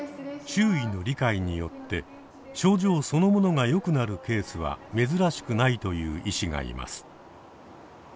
周囲の理解によって症状そのものがよくなるケースは珍しくないと言う医師がいます。